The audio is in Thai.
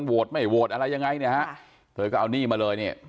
โวทย์ไม่โวทย์อะไรยังไงนะฮะเธอก็เอานี่มาเลยเนี่ย